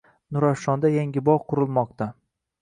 Nurafshonda yangi bog‘ qurilmoqdang